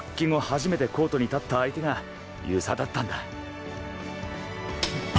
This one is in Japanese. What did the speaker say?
初めてコートに立った相手が遊佐だったんだ。